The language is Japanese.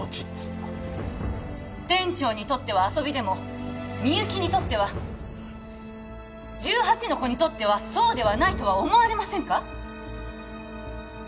っつーか店長にとっては遊びでもみゆきにとっては１８の子にとってはそうではないとは思われませんか！